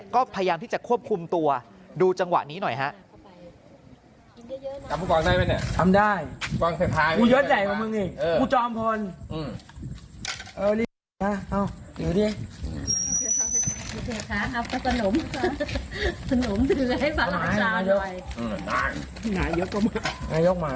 ก็พยายามที่จะควบคุมตัวดูจังหวะนี้หน่อยฮะ